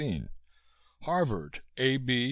Harvard, A. B.